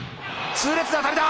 痛烈な当たりだ！